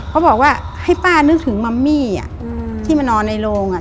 เขาบอกว่าให้ป้านึกถึงมัมมี่อ่ะที่มานอนในโรงอ่ะ